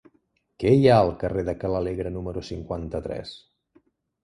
Què hi ha al carrer de Ca l'Alegre número cinquanta-tres?